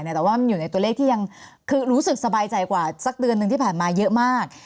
แต่ว่ามันอยู่ในตัวเลขที่ยังคือรู้สึกสบายใจกว่าสักเดือนหนึ่งที่ผ่านมาเยอะมาก